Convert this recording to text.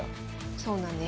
そうなんです。